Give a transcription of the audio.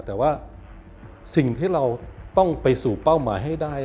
แต่ว่าสิ่งที่เราต้องไปสู่เป้าหมายให้ได้